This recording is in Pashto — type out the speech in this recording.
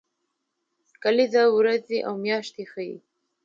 کلیزه ورځې او میاشتې ښيي